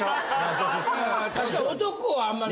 確かに男はあんまり。